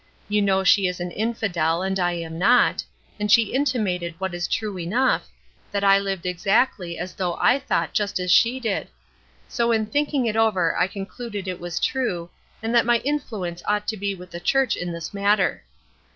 You know she is an infidel and I am not; and she intimated what is true enough, that I lived exactly as though I thought just as she did; so in thinking it over I concluded it was true, and that my influence ought to be with the church in this matter.